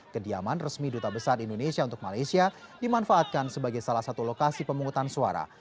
kediaman resmi duta besar indonesia untuk malaysia dimanfaatkan sebagai salah satu lokasi pemungutan suara